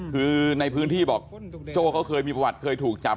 คือในพื้นที่บอกโจ้เขาเคยมีประวัติเคยถูกจับ